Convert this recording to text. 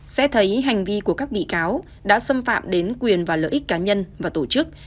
xét thấy hành vi của các bị cáo đã xâm phạm đến quyền và lợi ích cá nhân và tổ chức